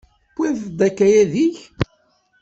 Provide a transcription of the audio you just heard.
Tewwiḍ-d akayad-ik?